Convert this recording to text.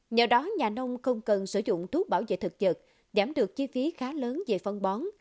nhờ đó nhà nông không cần sử dụng thuốc bảo vệ thực vật giảm được chi phí khá lớn về phân bón